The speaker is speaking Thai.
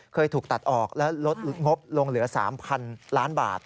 เคยถูกตัดออกและลดงบลงเหลือ๓๐๐๐ล้านบาท